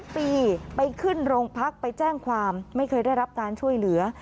ปีไปขึ้นโรงพักไปแจ้งความไม่เคยได้รับการช่วยเหลือ